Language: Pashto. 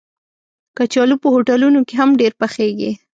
کچالو په هوټلونو کې هم ډېر پخېږي